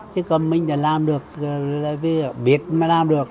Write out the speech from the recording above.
chứ mình đã làm được biết mà làm được